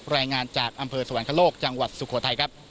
รายงานจากอำเภอสวรรคโลกจังหวัดสุโขทัยครับ